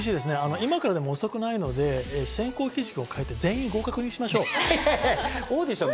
今からでも遅くないので選考基準を変えて全員合格にしましょう。